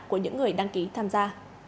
của những người đăng ký tham gia